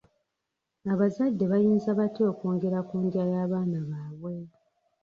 Abazadde bayinza batya okwongera ku ndya y'abaana baabwe?